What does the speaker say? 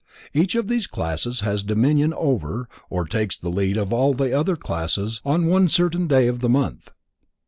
Each of these classes has dominion over, or takes the lead of all the other classes on one certain day of the month.